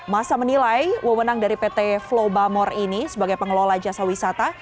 masa menilai wewenang dari pt flow bamor ini sebagai pengelola jasa wisata